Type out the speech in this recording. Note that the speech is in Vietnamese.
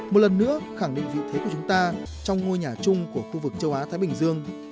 một lần nữa khẳng định vị thế của chúng ta trong ngôi nhà chung của khu vực châu á thái bình dương